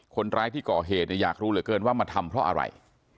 คนร้ายที่ก่อเหตุเนี่ยอยากรู้เหลือเกินว่ามาทำเพราะอะไร